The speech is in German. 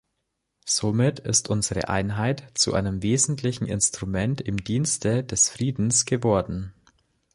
Somit ist unsere Einheit zu einem wesentlichen Instrument im Dienste des Friedens geworden.